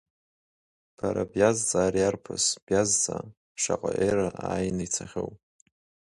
Бара биазҵаа ари арԥыс, биазҵаа, шаҟа ера ааины ицахьоу!